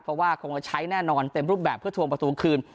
เพราะว่าคงจะใช้แน่นอนเต็มรูปแบบเพื่อทวงประตูคืน